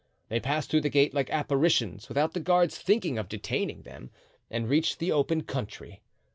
They passed through the gate like apparitions, without the guards thinking of detaining them, and reached the open country.